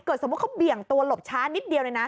เกิดสมมุติเขาเบี่ยงตัวหลบช้านิดเดียว